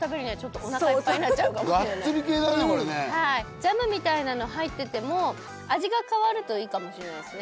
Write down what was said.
ジャムみたいなの入ってても味が変わるといいかもしれないですね。